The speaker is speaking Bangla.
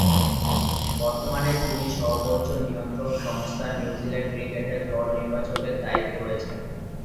বর্তমানে তিনি সর্বোচ্চ নিয়ন্ত্রক সংস্থা নিউজিল্যান্ড ক্রিকেটের দল নির্বাচকের দায়িত্বে রয়েছেন।